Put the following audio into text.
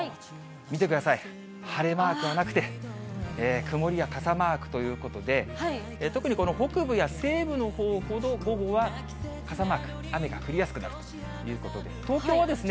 見てください、晴れマークはなくて、曇りや傘マークということで、特にこの北部や西部のほうほど午後は傘マーク、雨が降りやすくなるということです。